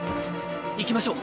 行きましょう。